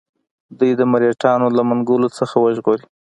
دوی د مرهټیانو له منګولو څخه وژغوري.